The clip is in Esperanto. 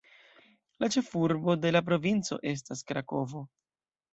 La ĉefurbo de la provinco estas Krakovo.